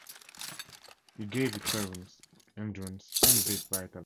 He gave it coherence, endurance and vitality.